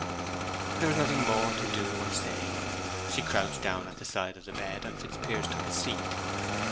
There was nothing more to do or say. She crouched down at the side of the bed, and Fitzpiers took a seat.